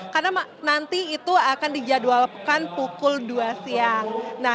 karena nanti itu akan dijadwalkan pukul dua siang